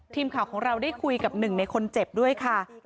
ทีมข่าวของเราได้คุยกับหนึ่งในคนเจ็บด้วยค่ะ